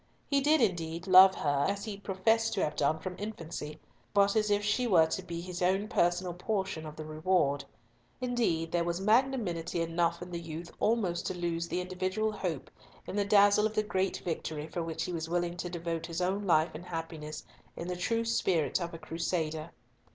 He did, indeed, love her, as he professed to have done from infancy, but as if she were to be his own personal portion of the reward. Indeed there was magnanimity enough in the youth almost to lose the individual hope in the dazzle of the great victory for which he was willing to devote his own life and happiness in the true spirit of a crusader.